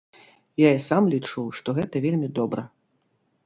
Я і сам лічу, што гэта вельмі добра.